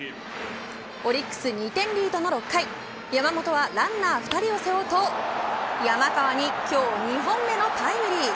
オリックス２点リードの６回山本はランナー２人を背負うと山川に今日２本目のタイムリー。